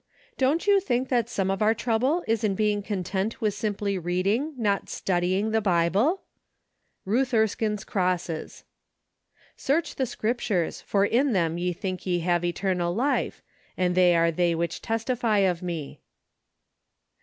Don't you think that some of our trouble is in being content with simply reading, not studying the Bible ? Ruth Erskine's Crosses. " Search the scriptures ; for in them ye think ye have eternal life: and they are they which testify of me."